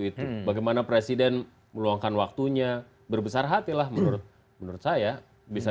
itu bagaimana presiden meluangkan waktunya berbesar hatilah menurut menurut saya bisa